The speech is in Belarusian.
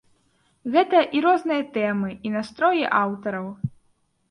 Гэта і розныя тэмы і настроі аўтараў.